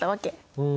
うん。